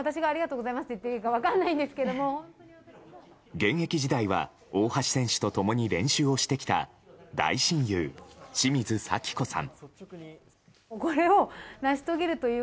現役時代は大橋選手と共に練習をしてきた大親友・清水咲子さん。